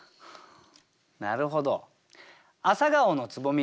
なるほど。